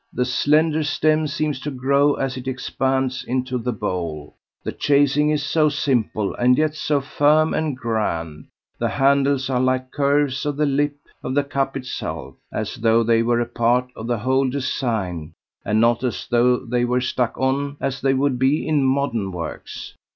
The slender stem seems to grow as it expands into the bowl, the chasing is so simple and yet so firm and grand, the handles are like curves of the lip of the cup itself, as though they were a part of the whole design, and not as though they were stuck on as they would be in modern works.